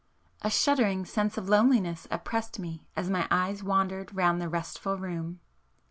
A shuddering sense of loneliness oppressed me as my eyes wandered round the restful room.